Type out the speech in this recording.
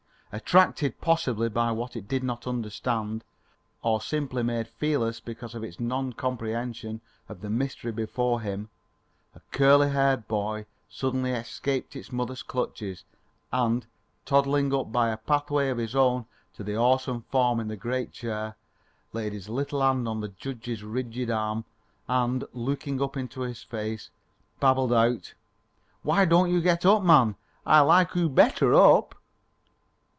Attracted possibly by what it did not understand, or simply made fearless because of its non comprehension of the mystery before him, a curly haired boy suddenly escaped its mother's clutch, and, toddling up by a pathway of his own to the awesome form in the great chair, laid his little hand on the judge's rigid arm and, looking up into his face, babbled out: "Why don't you get up, man? I like oo better up."